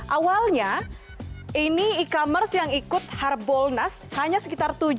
awalnya ini e commerce yang ikut harbolnas hanya sekitar tujuh